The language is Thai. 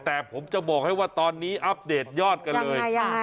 แต่ผมจะบอกให้ว่าตอนนี้อัปเดตยอดกันเลย